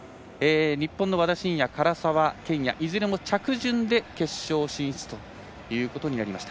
日本の和田伸也、唐澤剣也いずれも着順で決勝進出ということになりました。